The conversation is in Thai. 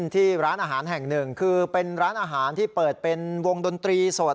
ที่ร้านอาหารแห่งหนึ่งคือเป็นร้านอาหารที่เปิดเป็นวงดนตรีสด